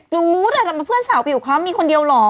รู้แล้วเพื่อนสาวผิดความมีคนเดียวเหรอ